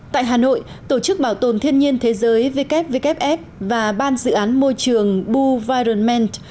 tại hà nội tổ chức bảo tồn thiên nhiên thế giới wwf và ban dự án môi trường boovironment